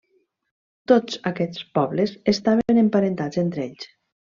Tots aquests pobles estaven emparentats entre ells.